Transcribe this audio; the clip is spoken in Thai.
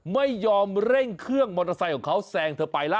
ไม่ยอมเร่งเครื่องมอเตอร์ไซค์ของเขาแซงเธอไปล่ะ